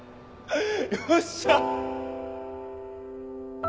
よっしゃ！